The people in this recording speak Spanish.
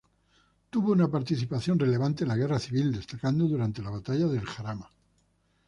Tuvo una participación relevante en la Guerra civil, destacando durante la batalla del Jarama.